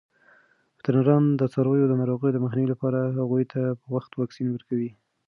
وترنران د څارویو د ناروغیو د مخنیوي لپاره هغوی ته په وخت واکسین ورکوي.